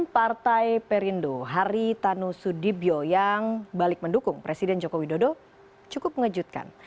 partai perindo haritanu sudibyo yang balik mendukung presiden jokowi dodo cukup mengejutkan